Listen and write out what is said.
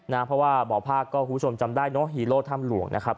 เพราะว่าบ่อภาคก็คุณผู้ชมจำได้เนอะฮีโร่ถ้ำหลวงนะครับ